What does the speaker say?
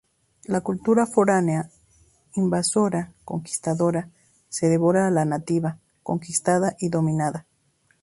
La cultura foránea, invasora, conquistadora, se devora a la nativa, conquistada y dominada.